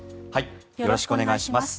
よろしくお願いします。